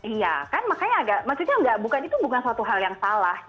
iya makanya itu bukan satu hal yang salah